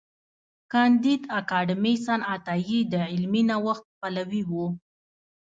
کانديد اکاډميسن عطايي د علمي نوښت پلوي و.